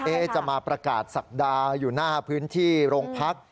จะมาประกาศศักดาอยู่หน้าพื้นที่โรงพัก